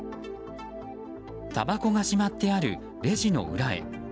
たばこがしまってあるレジの裏へ。